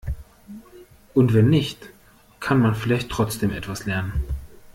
Und wenn nicht, kann man vielleicht trotzdem etwas lernen.